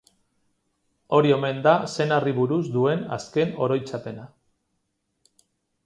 Hori omen da senarri buruz duen azken oroitzapena.